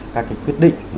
các cái quyết định